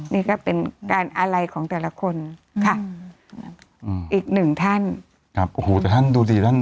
นี่ก็เป็นการอะไรของแต่ละคนค่ะอืมอีกหนึ่งท่านครับโอ้โหแต่ท่านดูดิท่าน